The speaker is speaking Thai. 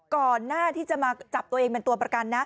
ก่อนหน้าที่จะมาจับตัวเองเป็นตัวประกันนะ